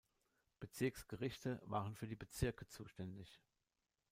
Bezirksgerichte waren für die Bezirke zuständig.